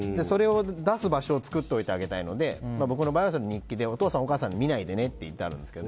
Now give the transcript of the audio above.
それを出す場所を作っておいてあげたいので日記で、お父さんお母さんには見ないでねって言ってあって。